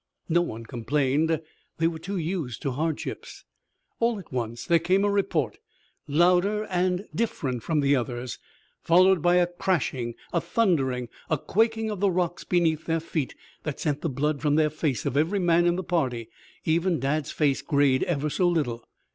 No one complained. They were too used to hardships. All at once there came a report louder and different from the others, followed by a crashing, a thundering, a quaking of the rocks beneath their feet, that sent the blood from the face of every man in the party. Even Dad's face grayed ever so little.